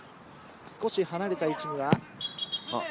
少し離れた位置には。